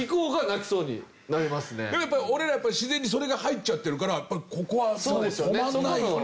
でもやっぱ俺ら自然にそれが入っちゃってるからここは止まらないよね。